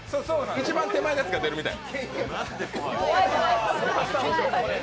一番手前のやつが出るみたい。